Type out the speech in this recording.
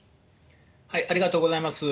ありがとうございます。